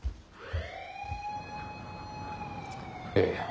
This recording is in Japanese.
ええ。